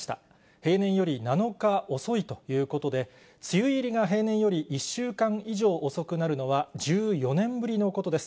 平年より７日遅いということで、梅雨入りが平年より１週間以上遅くなるのは１４年ぶりのことです。